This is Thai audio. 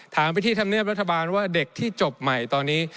ไปที่ธรรมเนียบรัฐบาลว่าเด็กที่จบใหม่ตอนนี้